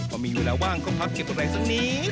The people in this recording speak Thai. เพราะมีเวลาว่างเขาพักเก็บตัวแรงสักนิด